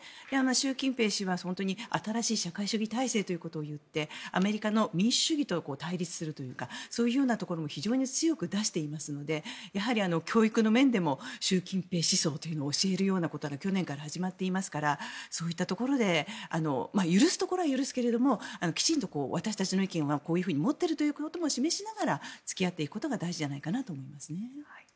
習近平氏は本当に新しい社会主義体制ということを言ってアメリカの民主主義と対立するというかそういうようなところも非常に強く出していますのでやはり教育の面でも習近平思想というのを教えるようなことが去年から始まっていますからそういったところで許すところは許すけれどもきちんと私たちの意見はこういうふうに持っているということも示しながら付き合っていくことが大事じゃないかと思います。